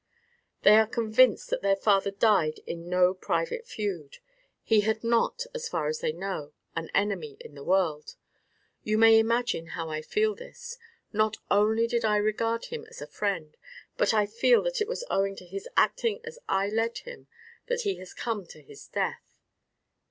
"They are convinced that their father died in no private feud. He had not, as far as they know, an enemy in the world. You may imagine how l feel this; not only did I regard him as a friend, but I feel that it was owing to his acting as I led him that he has come to his death."